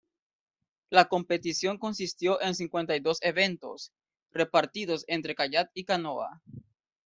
La competición consistió en cincuenta y dos eventos, repartidos entre kayak y canoa.